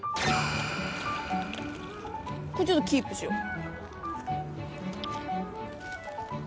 これちょっとキープしよう。